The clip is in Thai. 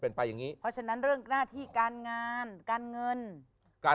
เป็นไปอย่างงี้เพราะฉะนั้นเรื่องหน้าที่การงานการเงินการ